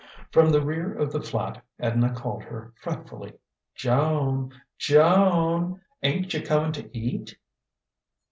From the rear of the flat Edna called her fretfully: "Joan! Jo an! Ain't you coming to eat?"